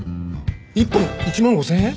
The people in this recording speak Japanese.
１本１万５０００円！？